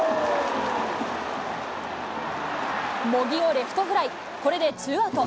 茂木をレフトフライ、これでツーアウト。